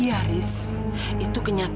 iya haris itu kenyataan